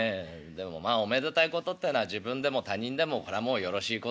でもまあおめでたいことってのは自分でも他人でもこれはもうよろしいこってございましてね